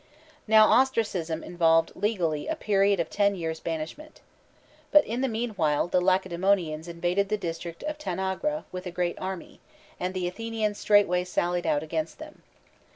X. Now ostracism involved legally a period of ten years' banishment. But in the meanwhile* the Lacedemonians invaded the district of Tanagra with a great army, and the Athenians straightway sallied out against them.